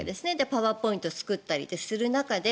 パワーポイントを作ったりする中で。